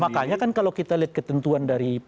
makanya kan kalau kita lihat ketentuan dari